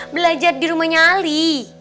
belanja di rumahnya ari